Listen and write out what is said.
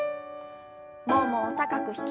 ももを高く引き上げて。